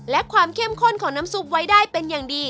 และความเข้มข้นของน้ำซุปไว้ได้เป็นอย่างดี